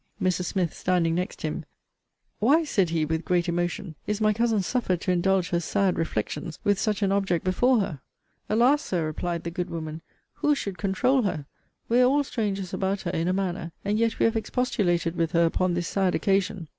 Mrs. Smith standing next him, Why, said he, with great emotion, is my cousin suffered to indulge her sad reflections with such an object before her? Alas! Sir, replied the good woman, who should controul her? We are all strangers about her, in a manner: and yet we have expostulated with her upon this sad occasion.